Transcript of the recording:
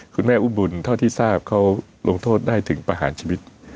อุ้มบุญเท่าที่ทราบเขาลงโทษได้ถึงประหารชีวิต